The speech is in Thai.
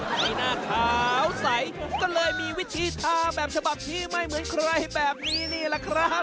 ให้หน้าขาวใสก็เลยมีวิธีทาแบบฉบับที่ไม่เหมือนใครแบบนี้นี่แหละครับ